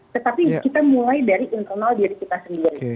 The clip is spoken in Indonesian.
tetapi kita mulai dari internal diri kita sendiri